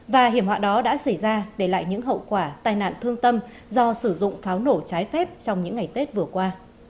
và hiểm họa đó đã xảy ra để lại những hậu quả tai nạn thương tâm do sử dụng pháo nổ trái phép trong những ngày tết vừa qua